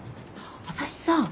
私さ